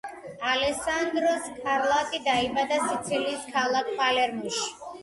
ალესანდრო სკარლატი დაიბადა სიცილიის ქალაქ პალერმოში.